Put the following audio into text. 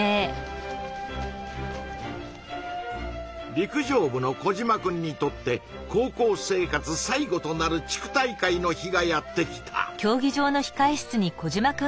陸上部のコジマくんにとって高校生活最後となる地区大会の日がやって来た。